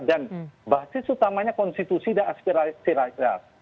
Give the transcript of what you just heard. dan basis utamanya konstitusi dan aset